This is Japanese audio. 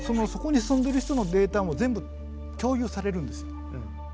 そこに住んでる人のデータも全部共有されるんですよ。